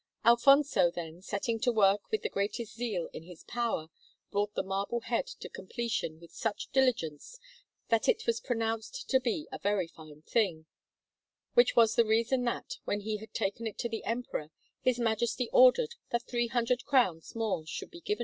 Alfonso, then, setting to work with the greatest zeal in his power, brought the marble head to completion with such diligence, that it was pronounced to be a very fine thing: which was the reason that, when he had taken it to the Emperor, his Majesty ordered that three hundred crowns more should be given to him.